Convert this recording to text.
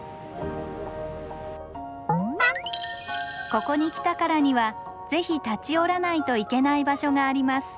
ここに来たからには是非立ち寄らないといけない場所があります。